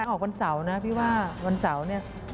ออกวันเสาร์นะพี่ว่าวันเสาร์เนี่ย